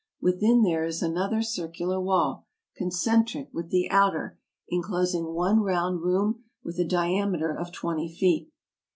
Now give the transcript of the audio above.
With in there is another circular wall, concentric with the outer, inclosing one round room with a diameter of twenty feet.